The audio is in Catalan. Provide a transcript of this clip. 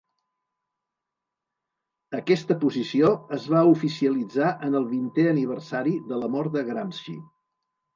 Aquesta posició es va oficialitzar en el vintè aniversari de la mort de Gramsci.